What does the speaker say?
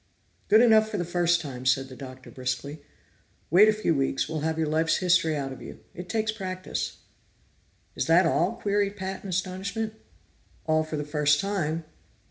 "Good enough for the first time," said the Doctor briskly. "Wait a few weeks; we'll have your life's history out of you. It takes practice." "Is that all?" queried Pat in astonishment. "All for the first time.